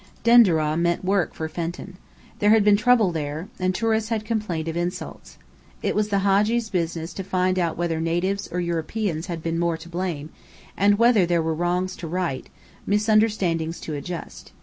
Denderah meant work for Fenton. There had been trouble there, and tourists had complained of insults. It was the Hadji's business to find out whether natives or Europeans had been more to blame, and whether there were wrongs to right, misunderstandings to adjust.